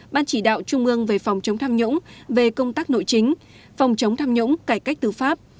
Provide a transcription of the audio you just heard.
ban chỉ đạo trung ương về phòng chống tham nhũng về công tác nội chính phòng chống tham nhũng cải cách tư pháp